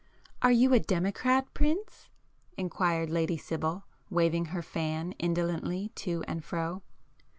"Are you a democrat, prince?" inquired Lady Sibyl, waving her fan indolently to and fro.